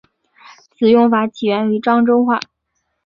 此用法起源于漳州话。